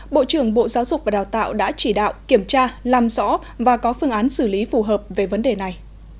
bộ trưởng bộ giáo dục và đào tạo đã chỉ đạo kiểm tra làm rõ và có phương án xử lý phù hợp về vấn đề này